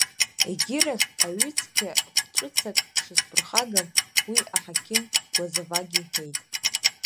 Егьирахь, аҩыцқьа хә-ҵәыцак шысԥырхагам, уи аҳақьым гәазавагьы иҳәеит!